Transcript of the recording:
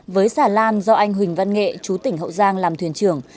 với xà lan do anh huỳnh văn nghệ chú tỉnh hậu giang làm thuyền trưởng